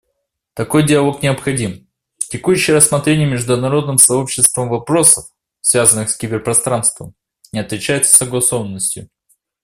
Такой диалог необходим; текущее рассмотрение международным сообществом вопросов, связанных с киберпространством, не отличается согласованностью.